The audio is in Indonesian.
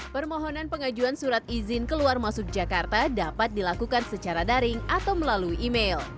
permohonan pengajuan surat izin keluar masuk jakarta dapat dilakukan secara daring atau melalui email